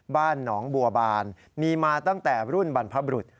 บ้านหนองบัวบานมีมาตั้งแต่รุ่นบรรพบรุษ